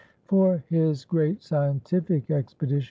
For his great scientific expedition, M.